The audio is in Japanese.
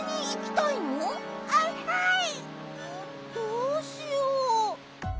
どうしよう。